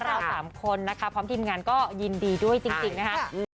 เราสามคนนะคะพร้อมทีมงานก็ยินดีด้วยจริงนะคะ